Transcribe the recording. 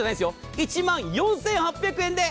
１万４８００円で。